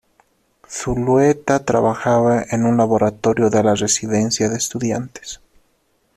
Zulueta trabajaba en un laboratorio de la Residencia de Estudiantes.